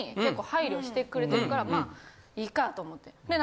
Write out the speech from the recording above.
してくれてるからまあいいかと思って。